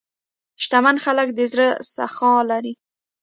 شتمن خلک د زړه سخا لري.